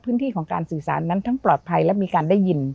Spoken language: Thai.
พื้นที่ของการสื่อสารนั้นทั้งปลอดภัยและมีการได้ยิน